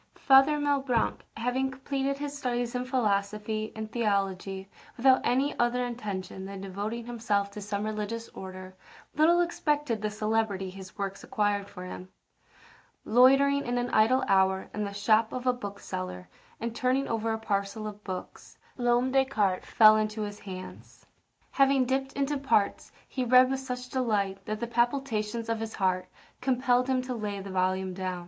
Father Malebranche having completed his studies in philosophy and theology without any other intention than devoting himself to some religious order, little expected the celebrity his works acquired for him. Loitering in an idle hour in the shop of a bookseller, and turning over a parcel of books, L'Homme de Descartes fell into his hands. Having dipt into parts, he read with such delight that the palpitations of his heart compelled him to lay the volume down.